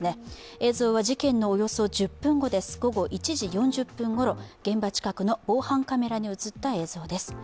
映像は事件のおよそ１０分後、午後１時４０分ごろ現場近くの防犯カメラに映った映像です。